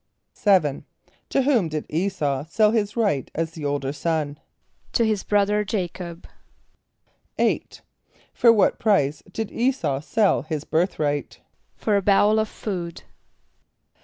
= =7.= To whom did [=E]´s[a:]u sell his right as the older son? =To his brother J[=a]´cob.= =8.= For what price did [=E]´s[a:]u sell his birthright? =For a bowl of food.